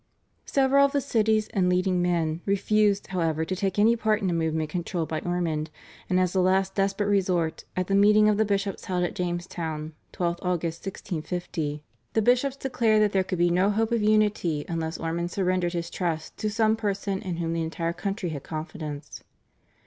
Several of the cities and leading men refused, however, to take any part in a movement controlled by Ormond, and as a last desperate resort, at the meeting of the bishops held at Jamestown (12 Aug. 1650) the bishops declared that there could be no hope of unity unless Ormond surrendered his trust to some person in whom the entire country had confidence.